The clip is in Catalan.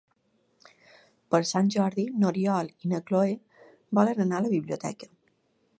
Per Sant Jordi n'Oriol i na Cloè volen anar a la biblioteca.